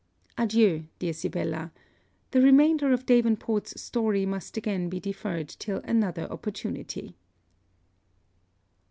Adieu, dear Sibella. The remainder of Davenport's story must again be deferred till another opportunity.